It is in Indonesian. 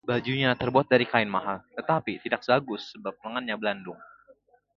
bajunya terbuat dari kain mahal, tetapi tidak bagus sebab lengannya belandung